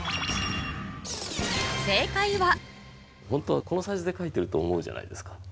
ホントはこのサイズで描いてると思うじゃないですか。